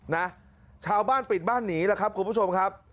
นะชาวบ้านปิดบ้านหนีแล้วครับคุณผู้ชมครับ